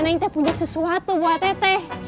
neneng teh punya sesuatu buat teteh